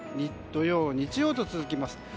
土曜、日曜と続きます。